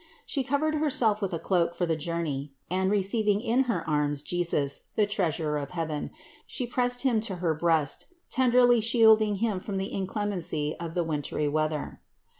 She covered Herself with a cloak for the journey and, receiving in Her arms Jesus, the Treasure of heaven, She pressed Him to her breast, tenderly shield ing Him from the inclemency of the wintry weather.